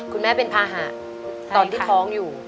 คุณแม่เป็นภาหะตอนที่ท้องอยู่